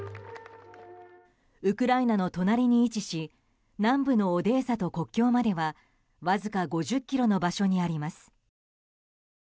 ウクライナの隣に位置し南部のオデーサと国境まではわずか５０ｋｍの場所にあります。